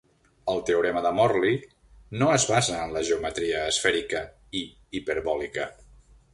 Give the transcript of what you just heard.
El teorema de Morley no es basa en la geometria esfèrica i hiperbòlica.